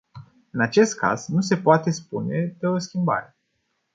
În acest caz, nu se poate spune de o schimbare.